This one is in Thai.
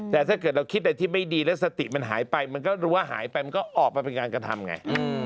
แต่ถ้าเกิดเราคิดอะไรที่ไม่ดีแล้วสติมันหายไปมันก็รู้ว่าหายไปมันก็ออกมาเป็นการกระทำไง